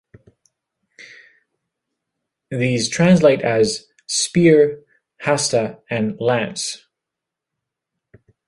These translate as 'speer', 'hasta,' and 'lance.